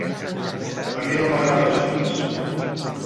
A mi no m'agrada gens.